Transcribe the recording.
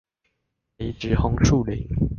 培植紅樹林